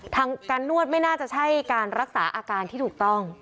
การนวดไม่น่าจะใช่การรักษาอาการที่ถูกต้อง